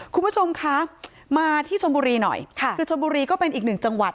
คุณผู้ชมคะมาที่ชนบุรีหน่อยค่ะคือชนบุรีก็เป็นอีกหนึ่งจังหวัด